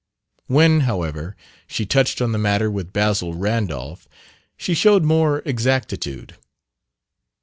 When, however, she touched on the matter with Basil Randolph she showed more exactitude.